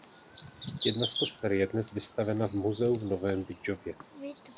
Jedna z koster je dnes vystavena v Muzeu v Novém Bydžově.